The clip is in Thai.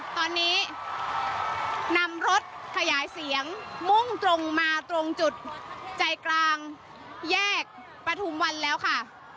ตอนนี้นำรถขยายเสียงมุ่งตรงมาตรงจุดใจกลางแยกประทุมวันแล้วค่ะ